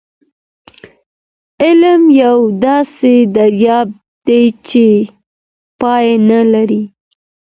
علم یو داسې دریاب دی چي پای نه لري.